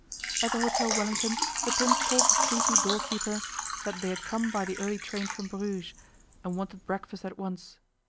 At the Hôtel Wellington the Prince told the sleepy door keeper that they had come by the early train from Bruges, and wanted breakfast at once.